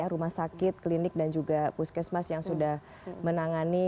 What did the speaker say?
rumah sakit klinik dan juga puskesmas yang sudah menangani